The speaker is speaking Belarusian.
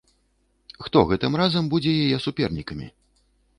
Хто гэтым разам будзе яе супернікамі?